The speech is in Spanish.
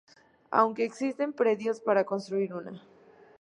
Aunque existen predios para construir una.